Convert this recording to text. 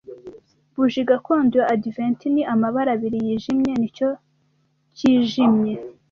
Buji gakondo ya Adiventi ni amabara abiri yijimye nicyo cyijimye